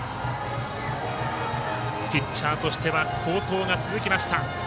ピッチャーとしては好投が続きました。